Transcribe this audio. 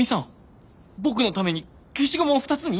僕のために消しゴムを２つに！？